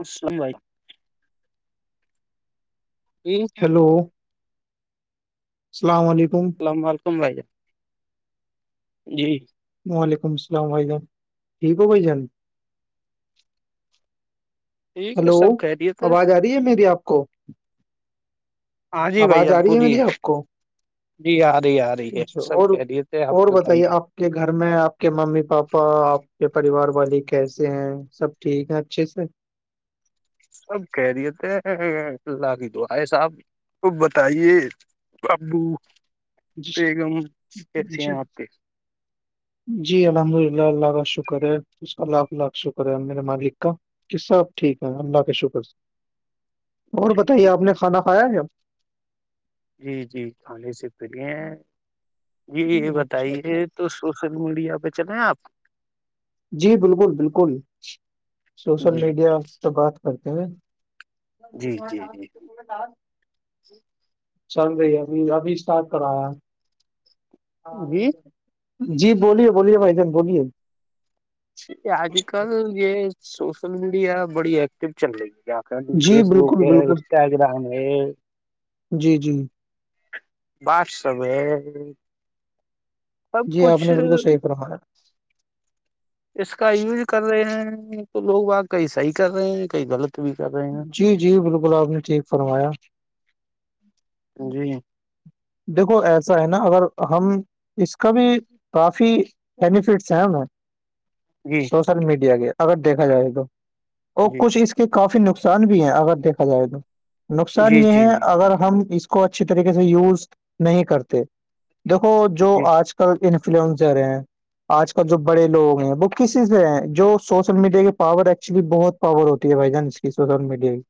اسلم بھ پی ہیلو السلام علیکم السلام علیکم بھائییا جی وعلیکم السلام وائی جان ٹھیک ہو بھائی جان ٹھیک ہے ہلو سب خیریت ہے آواز آ رہی ہے میری آپ کو ہاں جی بھائی آواز آ ج رہی پوروری میری ہے آپ کو جی ی رہی یار سب کہہ رہیے تھے اب تو بھائی کہ گھر میں آپ کے ممی پاپا آپ کے پریوار والی کیسے ہیں سب ٹھیک ہیں اچھے سے سب کہہ دیے تھے اللہ کی د آئے صاحب وہ بتائیے ابو جی بیگم کیسے جی ہیں آپ کے جی الحمد للہ اللہ کا شکر ہے اس کا لاکھ لاکھ شکر ہے میرے مالک کا کہ سب ٹھیک ہے اللہ کا شکر اور جی بتائیے جی آپ نے کھانا کھایا ہے جب جی جی کھانے سے فری ہیں جی یہ اچھا اچھا، بتائیے تو سوشل میڈیا پہ چلیں آپ جی بالکل بالکل سوشل جی میڈیا سے بات کرتے ہیں جی د آ جی جی آ چل رہی ابھی ابھی اسٹارٹ کرایا جی جی بولیے بولیے بائیدن بولیے آج کل یہ سوشل میڈیا بڑی ایکٹیو چل رہی ہےپ جی فیس بک بالکل ہے بالکل انسٹاگرام ہے جی جی بات س میں جی آپ نے بالکل صحیح فمایا اس کا یوز کر رہے ہیں تو لوگ آ کہیں صحیح کر رہے ہیں کہیں غلط بھی کر رہے ہیں جی جی بالکل آپ نے ٹھیک فرمایا جوئیے دیکھو ایسا ہے نا اگر ہم اس کا بھی کافی بینیفٹس ہیں ہمیں جی س سل میڈیا کے اگر دیکھا جائے تو اور جی کچھ اس کافی نقصان بھی ہیں اگر دیکھا جائے تو نقصان جی یہ جی ہے اگر ہم اس کو اچھی طریقے سے یوز نہیں کرتے دیکھو جو جی آج کل کل انفلوئنزر ہیں آج کل جو بڑے لوگ ہیں وہ کسی سے ہیں جو سوشل میڈیا کے پاور ایکچولی بہت خبر ہوتی ہے بائی چانس کی سوشل میڈیا کی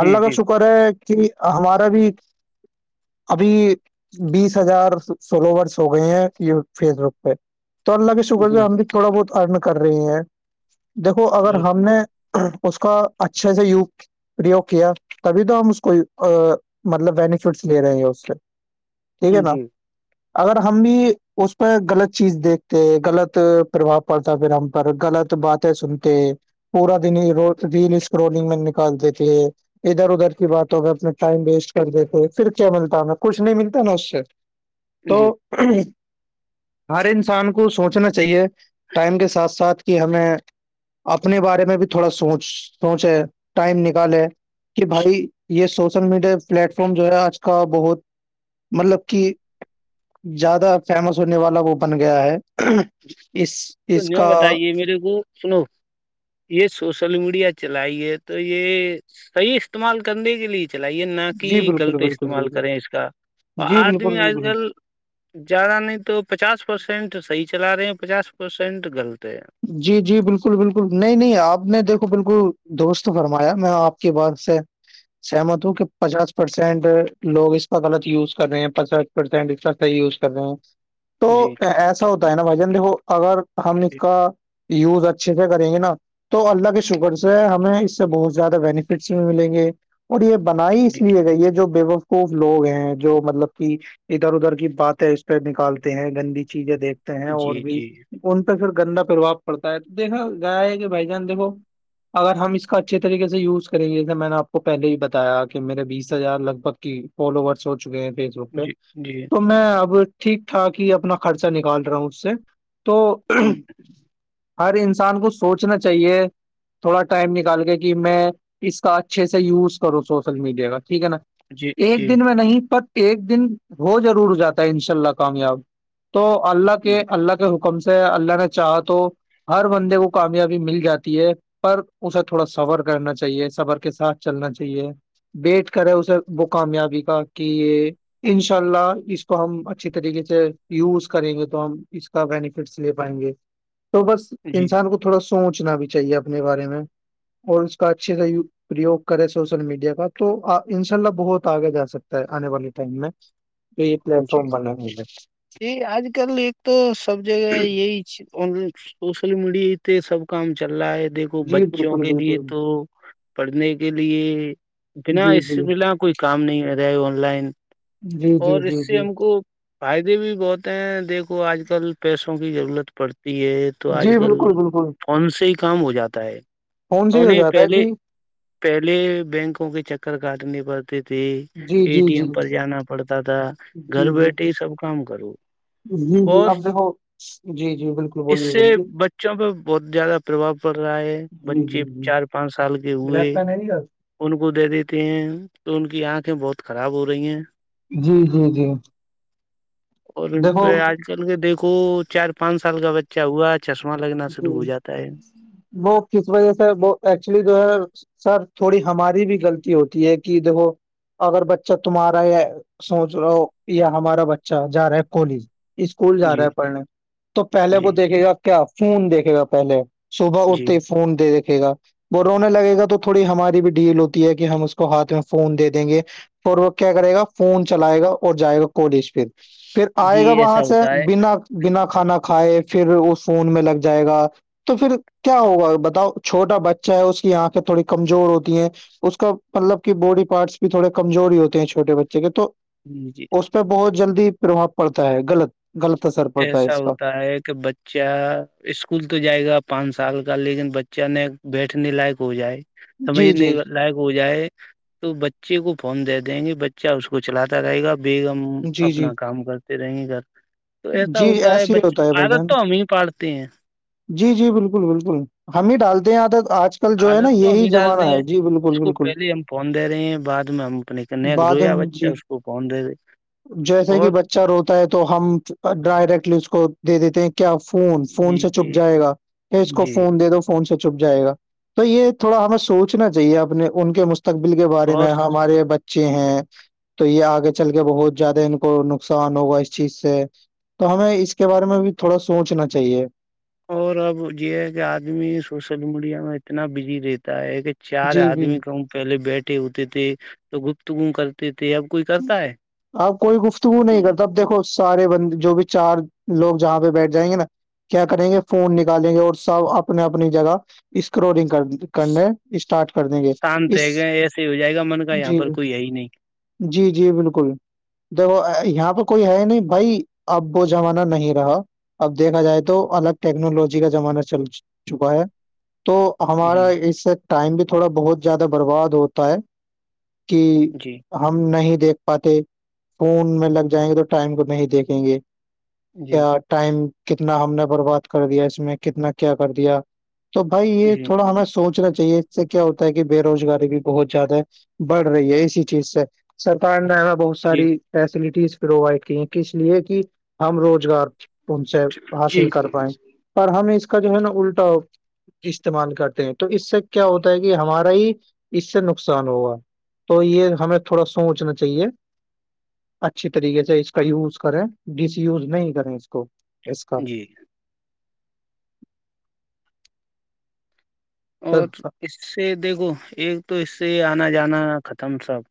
جی اللہ کا جی جی جی شکر ہے کہ ہمارا بھی ابھی بیس ہزار سولو ورس ہو گئی ہیں فیس بک پہ تو اللہ کے شکر سے ہم بھی تھوڑا بہت ارن کر رہے ہیں دیکھو اگر جی ہم نے اس کا اچھے سےا یوگ پو کیا تبھی تو ہم اس کو مطلب بینیفٹس لے رہے ہیں اس ٹھیک ہے ن جی اگر ہم بھی اس پہ غلط چیز دیکھتے غلط پرباؤ پڑتا پھر ہم پر غلط باتیں سنتے ہیں پورا دن ریل اسک رولنگ میں نکال دیتے ہے ادھر ادھر کی بات ہو میں اپنا ٹائم ویسٹ کر دیتے پھر کیا ملتا ہے کچھ نہیں ملتا نا اس سے تو جی ہر انسان کو سوچنا چاہیے ٹائم کے ساتھ ساتھ کہ ہمیں اپنے بارے میں بھی تھوڑا سوچ سوچے ٹائم نکالے کہ بھائی یہ سوشل میڈیا پلیٹ فارم جو ہے آج کا بہت مطلب کہ زیادہ فیمس ہونے والا وہ بن گیا ہے اس اس کا یر وہ سنو یہ سوشل میڈیا چلائی ہے تو یہ صحیح استعمال کرنے کے لیے چلائیے نہ کہ جی بالکل غلط بالکل استعمال بالکل کریں اس کا اور جی بالکل آدمی آج بالکل کل زیادہ نہیں تو پچاس پرسینٹ صحیح چلا رہے ہیں پچاس پرسینٹ غلط ہے جی جی بالکل بالکل نہیں نہیں آپ نے دیکھو بالکل دوست فرمایا میں آپ کی بات سے سہمت ہوں کہ پچاس پرسینٹ لوگ اس کا غلط یوز کر رہے ہیںچاس حیح ز ہیں تو جی ایسا ہوتا ہے نا بھائی جان دیکو اگر ہم نے کا یوز اچھے سے کریں گے نا تو اللہ کے شوگر سے ہمیں اس سے بہت زیادہ بینیفٹس بھی ملیں گے اور یہ بنائی اس جی لیے گئی ہے جو بے خوب لوگ ہیں جو مطلب کہ ادھر ادھر کی باتیں اس پہ نکالتے ہیں گندی چیزیں دیکھ ہیں اور جی بھی جی ان پہ پھر گندا پرباب پڑتا ہے دیکھا گایا ہے کہ بھائی جان دیکھو اگر ہم اس کا اچھے طریقے سے یوز کریں گے جیسے میں نے آپ کو پہلے ہی بتایا کہ میرے بیس ہزار لگ بھگ کی فالوورس ہو چکے ہیں پ پہ جی جی تو میں اب ٹھیک ٹھاک ہی اپنا خرچہ نکال رہا ہوں اس سے تو [unintelligible] [inaudible] ہر انسان کو سوچنا چاہیے تھوڑا ٹائم نکال کے کہ میں اس کا اچھے سے یوز کروں سوشل میڈیا کا ٹھیک ہے نا جی ایک جی دن میں نہیں پر ایک دن ہو ضرور جاتا ہے ان شاء اللہ کامیاب تو اللہ کے جی اللہ کے حکم سے اللہ نے چاہا تو ہر بندے کو کامیابی مل جاتی ہے پر اسے تھوڑا صبر کرنا چاہیے صبر کے ساتھ چلنا چاہیے وٹ کرے اسے وہ کامیابی کا کہ یہ انشاء اللہ اس کو ہم اچھی طریقے سے یوز کریں گے تو ہم اس کا بینیفٹس لے پائیں گے تو بس جی انسان کو تھوڑا سوچنا بھی چاہیے اپنے بارے میں اور اس کا اچھے سے پرریوگ کرے سوشل میڈیا کا تو ان شاء اللہ بہت آگے جا سکتا ہے آنے والے ٹائم میں تو یہ پلیٹ ی فارم بنا ہوا ہے یہ آج کل ایک تو سب جگہ یہی اور سوشل میڈیات سب کام چل رہا ہے دیک کو جی بچوں بالکل کے لیے بالکل تو پڑھنے کے لیے بنا جی اس جی بلا کوئی کام نہیں آ رہا ہے آن لائن جی جی اور جی اس سے جی ہم کو فائدے بھی بہت ہیں دیکھو آج کل پیسوں کی ضرورت پڑتی ہے تو آج جی کل بالکل بالکل فون سے ہی کام ہو جاتا ہے فون سے ہی ہو اوریں جاتا ہے پہلے جی پہلے بینکوں کے چکر کاٹنی پڑتی تھی جی ا جی ٹی جی ایم پر جانا پڑتا تھا گھر جی جی بیٹھے سب کام کروں جی جی اور اب دیکھو جی جی بالکل اس بولیے سے بولیے بچوں پہ بہت زیادہ پرباؤ پڑ رہا ہے جی بچے جی جی چار پانچ سال کے ہوئے [unintelligible] ان کو دے دیتے ہیں تو ان کی آنکھیں بہت خراب ہو رہی ہیں جی جی جی اور ان دیکھو پہ آج کل کے دیکھو چار پانچ سال کا بچہ ہوا چشمہ لگنا شروع جی ہو جاتا ہے وہ کس وجہ سےر وہ ایکچولی جو ہے سر تھوڑی ہماری بھی غلطی ہوتی ہے کہ دیکھو اگر بچہ تمہارا یا سوچ رہا ہو یا ہمارا بچہ جا رہا ہے کالج اسکول جا رہا جی ہے پڑھنے تو پہلے جی وہ دیکھے گا کیا فون دیکھے گا پہلے صبح جی اٹھتے فون د دکھے گا وہ رونے لگے گا تو تھوڑی ہماری بھی ڈیل ہوتی ہے کہ ہم اس کو ہاتھ میں فون دے دیں گے اور وہ کیا کرے گا فون چلائے گا اور جائے گا کالج پھر پھر جی آئے گا وہاں ایسا سے ہوتا ہے بنا بنا کھانا کھائے پھر وہ فون میں لگ جائے گا تو پھر کیا ہوگا بتاؤ چھوٹا بچہ ہے اس کی آنکھیں تھوڑی کمزور ہوتی ہیں اس کا مطلب کہ باڈی پارٹس بھی تھوڑے کمزوری ہوتے ہیں چھوٹے بچے کے تو ہمم جی اس پہ بہت جلدی پرباؤ پڑتا ہے غلط غلط اثر پڑتا ہے ایسا اس کا ہوتا ہے کہ بچے بچا اسکول تو جائے گا پانچ سال کا لیکن بچہ ن بیٹھنے لائق ہو جائے سمج جی جی نہیں لائک ہو جائے تو بچے کو فون دے دیں گے بچہ اس کو چلاتا رہے گا بیگم جی جی اپنا کام کرتے رہیں گے تو ایسا جی ہوتا ہے ایسے ہی بچوں ہوتا کو بھائی عادت جان تو ہم ہی پڑتے ہیں جی جی بالکل بالکل ہم ہی ڈالتے ہیں یہاں تک آج کل جو ہے نا عادت تو ہم یہی ہی ڈال زمانہ رہے ہیں ہے جی اس بالکل کو بالکل پہلے ہم فون دے رہے ہیں بعد میں ہم اپنے ک بعد رویا ہم- بچہ جی اس کو اس کو فون دے دے جیسے کہ بچہ روتا ہے تو ہم ڈائریکٹلی اس کو دے دیتے ہیں کیا فون فون جی سے چپ جی جائے گا کہ اس کو جی فون دے دو فون سے چپ جائے گا تو یہ تھوڑا ہمیں سوچنا چاہیے اپنے ان کے مستقبل کے بارے اور میں ہمارے بچے ہیں تو یہ آگے چل کے بہت زیادہ ان کو نقصان ہوگا اس چیز سے تو ہمیں اس کے بارے میں بھی تھوڑا سوچنا چاہیے اور اب یہ ہے کہ آدمی سوشل میڈیا میں اتنا بزی رہتا ہے کہ چار جی جی آدمی کا پہلے بیٹھے ہوتے تھے تو گپت کرتے تھے اب کوئی کرتا ہے آپ کوئی گفتگو نہیں کرتا اب دیکھو سارے بند جو بھی چار لوگ جہاں پہ بیٹھ جائیں گے نا کیا کریں گے فون نکالیں گے اور سب اپنے اپنی جگہ اسکرولنگ کر کرنے اسٹارٹ کر دیں گے شانت اس جی یہی نہیں جی جی بالکل دیک یہاں پہ کوئی ہے نہیں بھائی اب وہ زمانہ نہیں رہا اب دیکھا جائے تو الگ ٹیکنالوجی کا زمانہ چل چکا ہے تو جی ہمارا اس سے ٹائم بھی تھوڑا بہت زیادہ برباد ہوتا ہے کہ جی ہم نہیں دیکھ پاتے فون میں لگ جائیں گے تو ٹائم کو نہیں دیکھیں گے جی کیا ٹائم کتنا ہم نے برباد کر دیا اس میں کتنا کیا کر دیا تو بھائی یہ جی تھوڑا ہمیں سوچنا چاہیے سے کیا ہوتا ہے کہ بے روزگاری بھی بہت زیادہ بڑھ رہی ہے اسی چیز سے سرکار نے بہت جی ساری فیسلٹیز پرووائڈ کیے کہ اس لیے کہ ہم روزگار ان سے حاصل جی کر پائیں پر ہم اس کا جو ہے نا الٹا استعمال کرتے ہیں تو اس سے کیا ہوتا ہے کہ ہمارا ہی اس سے نقصان ہوگا تو یہ ہمیں تھوڑا سوچنا چاہیے اچھی طریقے سے اس کا یوز کریں ڈس وز نہیں کریں اس کو اس کا جی اور جی اس سے دیکھو ایک تو اس سے آنا جانا ختم سب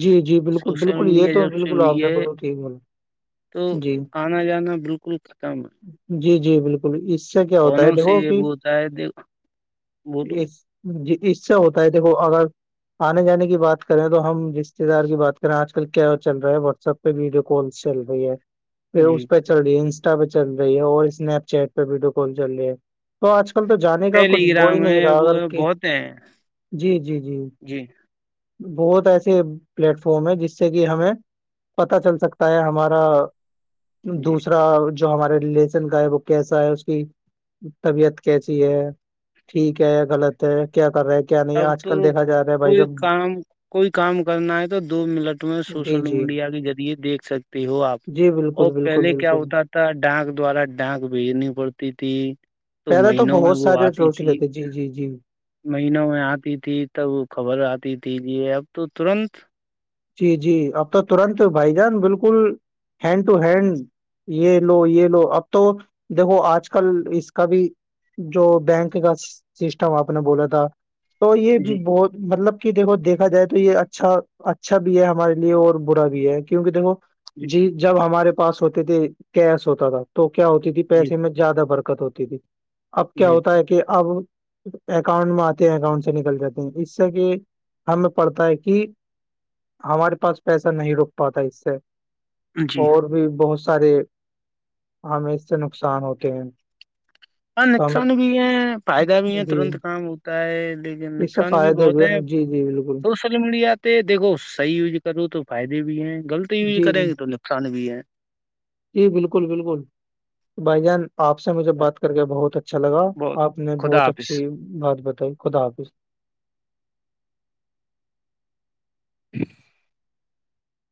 جی جی بالکل سوشل بالکل یہ میڈیا تو جب سے بالکل آپ ہوئی نے ہے بولو تھی بول تو آنا جانا بالکل ختم ہے جی جی بالکل اس سے کیا ہوتا ہے فونوں سے دیکھو یہ کہ وہ ہوتا ہے دیکھ بولو اس جی اس سے ہوتا ہے دیکھو اگر آنے جانے کی بات کریں تو ہم رشتے دار کی بات کریں آج کل کیا چل رہا ہے واٹسپ پہ ویڈیو کنس چل رہی ہے پھر جی اس پہ چل رہی ہے انسٹا پہ چل رہی ہے اور اسنیپ چیٹ پہ ویڈیو کال چل رہی ہے تو آج کل تو جانے کا کچھ ٹیلی وہو ہی گرام ہے نہیں رہا وہ اگر ہے، کہ بہت ہیں جی جی جی بہت ایسا پلیٹ فارم ہے جس سے کہ ہمیں پتا چل سکتا ہے ہمارا جی دوسرا جو ہمارے ریلیشن کا ہے وہ کیسا ہے اس کی طبیعت کیسی ہے ٹھیک ہے غلط کیا کر رہے ہیں کیا نہیں اب آج تو کل دیکھا جا رہا ہے بھائی کوئی جب کام کوئی کام کرنا ہے تو دو منٹ جی سوشل جی میڈیا کے ذریعے دیکھ سکتے ہو آپ جی اور بالکل بالکل پہلے کیا بالکل ہوتا تھا ڈانک دوارا ڈانک بھیجنی پڑتی تھی تو پہلے مہینوں میں بہت وہ سارے آتی سوچ تھی لیتے جی جی جی مہینوں میں آتی تھی تب خبر آتی تھی یہ اب تو ترنت جی جی اب تو ترنت بھائی جان بالکل ہینڈ ٹو ہینڈ یہ لو یہ لو اب تو دیکھو آج کل اس کا بھی جو بینک کا سسٹم آپ نے بولا تھا تو یہ بھی جی بہت مطلب کہ دیکھو دیکھا جائے تو یہ اچھا اچھا بھی ہے ہمارے لیے اور برا بھی ہے کیونکہ دیکھو جی جب ہمارے پاس ہوتے تھے کیش ہوتا تھا تو کیا ہوتی تھی جی پیسے میں زیادہ برکت ہوتی تھی اب کیا جی ہوتا ہے کہ اب اکاؤنٹ میں آتے ہیں اکاؤنٹ سے نکل جاتے ہیں اس سے کہ ہمیں پڑتا ہے کہ ہمارے پاس پیسہ نہیں رک پاتا اس سے جی اور بھی بہت سارے ہم اس سے نقصان ہوتے ہیں ہاں تو ہمیں نقصان بھی ہے فائدہ بھی ہے جی ترنت کام ہوتا ہے لیکن اس سے نقصان بھی فائدے بہت ہے ہیں۔ جی جی بالکل سوشل میڈیا آ پ دھو صحیح یوز کرو تو فائدے بھی ہیں غلط یوز جی کریں جی گے تو نقصان بھی ہے جی بالکل بالکل بھائی جان آپ سے مجھے بات کر کے بہت اچھا لگا بہت آپ نے خدا بہت حافظ اچھی بات بتائی خدا حافظ [inaudible]